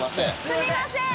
すみません！